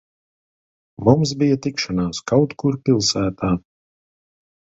Mums bija tikšanās kaut kur pilsētā.